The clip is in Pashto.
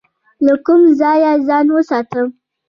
له کوم ځای ځان وساتم؟